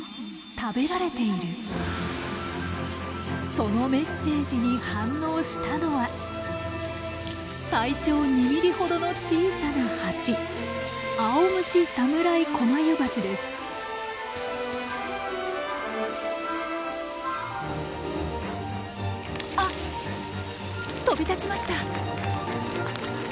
そのメッセージに反応したのは体長２ｍｍほどの小さな蜂あっ飛び立ちました！